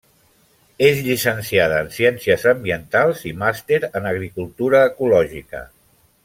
És llicenciada en ciències ambientals i màster en agricultura ecològica.